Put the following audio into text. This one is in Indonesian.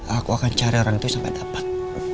aku akan cari orang itu sampai dapat